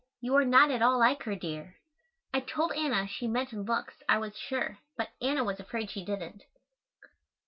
You are not at all like her, dear." I told Anna she meant in looks I was sure, but Anna was afraid she didn't.